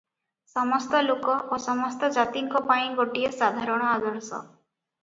ସମସ୍ତ ଲୋକ ଓ ସମସ୍ତ ଜାତିଙ୍କ ପାଇଁ ଗୋଟିଏ ସାଧାରଣ ଆଦର୍ଶ ।